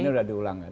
ini sudah diulangkan